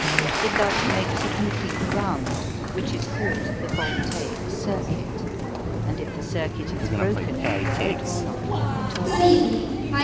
It thus makes a complete round, which is called the voltaic "circuit," and if the circuit is broken anywhere it will not flow at all.